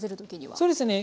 そうですね。